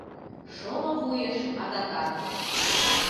Шоло вуйыш адакат